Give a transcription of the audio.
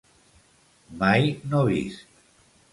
Mai no vist.